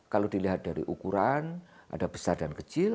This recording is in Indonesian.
kalau dilihat dari ukuran ada besar dan kecil